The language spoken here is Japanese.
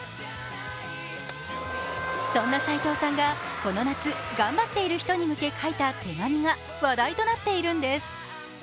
そんな斎藤さんがこの夏、頑張っている人に向け書いた手紙が話題となっているんです。